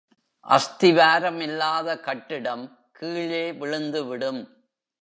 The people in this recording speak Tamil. அஸ்திவாரம் இல்லாத கட்டிடம் கீழே விழுந்து விடும்.